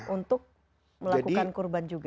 untuk melakukan kurban juga